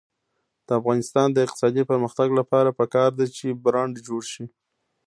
د افغانستان د اقتصادي پرمختګ لپاره پکار ده چې برانډ جوړ شي.